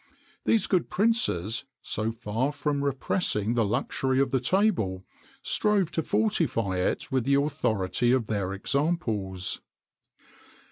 These good princes, so far from repressing the luxury of the table, strove to fortify it with the authority of their examples.